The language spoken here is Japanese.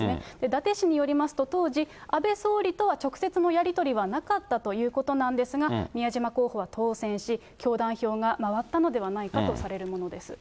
伊達氏によりますと、当時、あべ総理とは直接のやり取りはなかったということなんですが、宮島候補は当選し、教団票が回ったのではないかとされるものです。